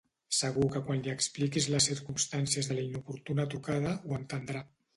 Segur que quan li expliquis les circumstàncies de la inoportuna trucada ho entendrà.